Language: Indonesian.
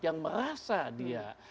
yang merasa dia